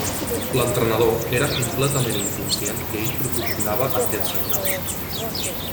L'entrenador era completament inconscient que ell proporcionava aquests senyals.